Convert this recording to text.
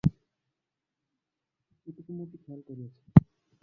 এটুকু মতি খেয়াল করিয়াছিল।